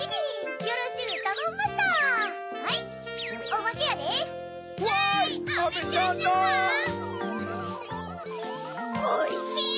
おいしい！